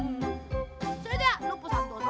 それではノッポさんどうぞ。